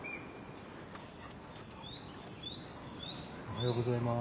おはようございます。